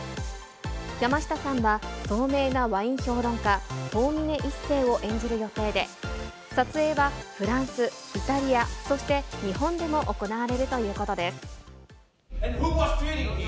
山下さんは、そうめいなワイン評論家、遠峰一青を演じる予定で、撮影はフランス、イタリア、そして日本でも行われるということです。